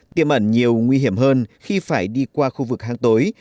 tiêm ẩn nhiều nguy hiểm hơn khi phải đi qua khu vực hang tối